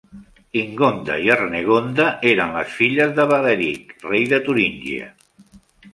Ingonda i Arnegonda eren les filles de Baderic, rei de Turíngia.